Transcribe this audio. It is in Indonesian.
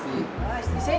istri saya di mana ini